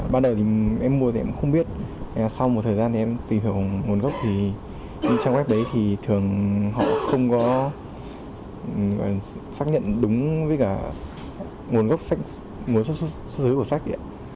ban đầu em mua thì em không biết sau một thời gian em tìm hiểu nguồn gốc thì trong web đấy thì thường họ không có xác nhận đúng với cả nguồn gốc xuất sứ của sách